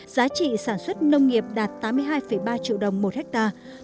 giá trị sản xuất nông nghiệp đạt tám mươi hai ba triệu đồng một hectare